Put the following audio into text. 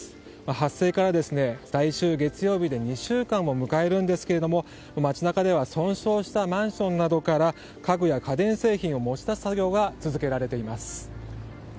発生から来週月曜日で２週間を迎えるんですが町中では損傷したマンションなどから家具や家電製品を持ち出す作業が続けられています。